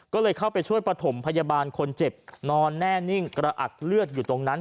ก็เลยเข้าไปช่วยประถมพยาบาลคนเจ็บนอนแน่นิ่งกระอักเลือดอยู่ตรงนั้น